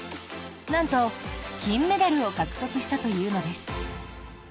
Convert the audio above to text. なんと、金メダルを獲得したというのです。